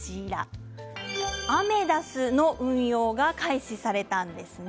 アメダスの運用が開始されたんですね。